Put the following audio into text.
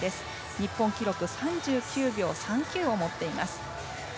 日本記録３９秒３９を持っています。